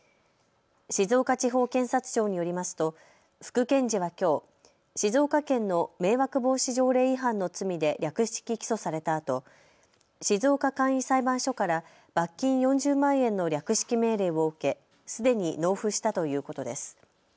静岡地方検察庁によりますと副検事はきょう静岡県の迷惑防止条例違反の罪で略式起訴されたあと静岡簡易裁判所から罰金４０万円の略式命令を受け、すでに納付したということです。